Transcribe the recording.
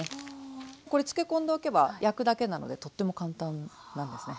これ漬け込んでおけば焼くだけなのでとっても簡単なんですね。